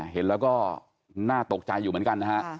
เห็นแล้วก็น่าตกใจอยู่เหมือนกันนะฮะ